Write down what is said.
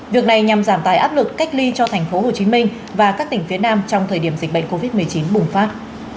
việc này nhằm giảm tài áp lực cách ly cho tp hcm và các tỉnh phía nam trong thời điểm dịch bệnh covid một mươi chín bùng phát